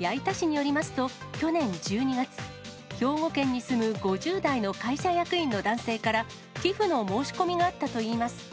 矢板市によりますと、去年１２月、兵庫県に住む５０代の会社役員の男性から、寄付の申し込みがあったといいます。